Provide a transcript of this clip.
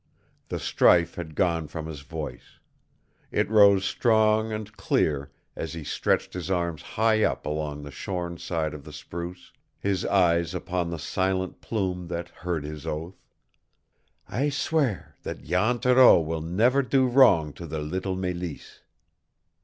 The strife had gone from his voice; it rose strong and clear as he stretched his arms high up along the shorn side of the spruce, his eyes upon the silent plume that heard his oath. "I swear that Jan Thoreau will never do wrong to the little Mélisse!"